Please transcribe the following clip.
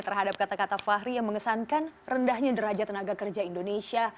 terhadap kata kata fahri yang mengesankan rendahnya deraja tenaga kerja indonesia